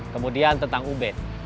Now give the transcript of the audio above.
kemudian tentang ubed